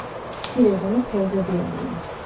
მცირე ზომის თევზები არიან.